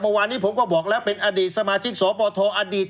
เมื่อวานนี้ผมก็บอกแล้วเป็นอดีตสมาชิกสปทอดีต